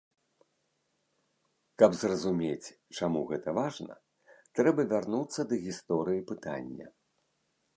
Каб зразумець, чаму гэта важна, трэба вярнуцца да гісторыі пытання.